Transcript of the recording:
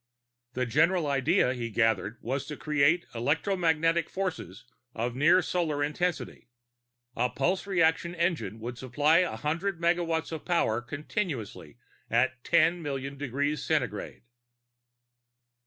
The general idea, he gathered, was to create electromagnetic forces of near solar intensity; a pulsed reaction engine would supply a hundred megawatts of power continuously at 10,000,000 degrees centigrade.